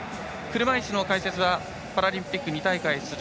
車いすの解説はパラリンピック２大会出場